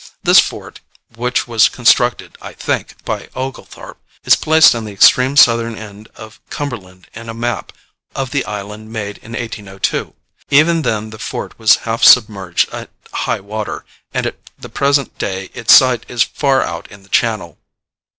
This fort, which was constructed, I think, by Oglethorpe, is placed on the extreme southern end of Cumberland in a map of the island made in 1802. Even then the fort was half submerged at high water, and at the present day its site is far out in the channel.